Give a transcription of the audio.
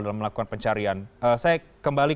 dalam melakukan pencarian saya kembali